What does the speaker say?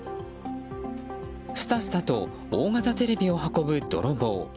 すたすたと大型テレビを運ぶ泥棒。